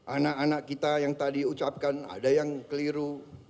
anak anak kita yang tadi ucapkan ada yang keliru